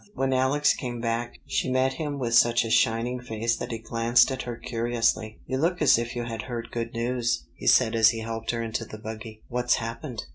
When Alex came back she met him with such a shining face that he glanced at her curiously. "You look as if you had heard good news," he said as he helped her into the buggy. "What's happened?"